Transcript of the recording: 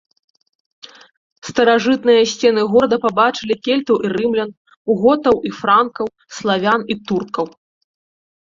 Старажытныя сцены горада пабачылі кельтаў і рымлян, готаў і франкаў, славян і туркаў.